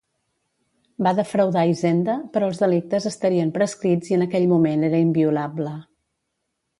Va defraudar Hisenda, però els delictes estarien prescrits i en aquell moment era inviolable.